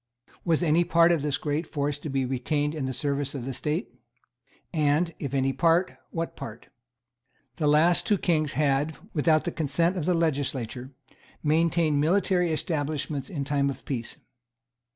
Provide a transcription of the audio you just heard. Was any part of this great force to be retained in the service of the State? And, if any part, what part? The last two kings had, without the consent of the legislature, maintained military establishments in time of peace.